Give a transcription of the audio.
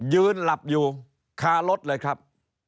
ยืนหลับอยู่คารถเลยครับ